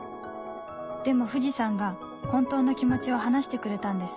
でも藤さんが本当の気持ちを話してくれたんです